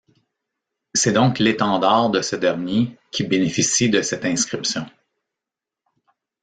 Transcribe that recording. C'est donc l'étendard de ce dernier qui bénéficie de cette inscription.